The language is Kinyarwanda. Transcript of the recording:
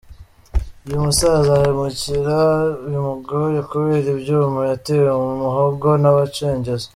Uyu musaza ahumekera bimugoye kubera ibyuma yatewe mu muhogo n’Abacengezi.